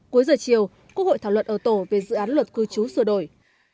cuối giờ chiều quốc hội thảo luận ở tổ về dự án luật cư trú sửa đổi